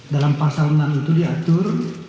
dalam pasal enam itu diatur